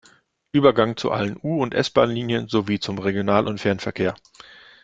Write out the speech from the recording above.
Übergang zu allen U- und S-Bahnlinien sowie zum Regional- und Fernverkehr.